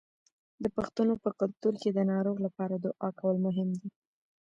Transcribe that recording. د پښتنو په کلتور کې د ناروغ لپاره دعا کول مهم دي.